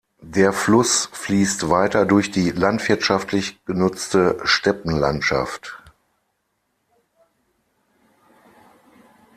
Der Fluss fließt weiter durch die landwirtschaftlich genutzte Steppenlandschaft.